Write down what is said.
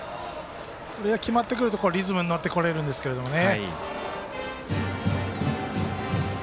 これが決まってくるとリズムに乗ってこれるんですけどね。